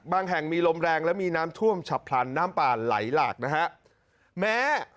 แห่งมีลมแรงและมีน้ำท่วมฉับพลันน้ำป่าไหลหลากนะฮะแม้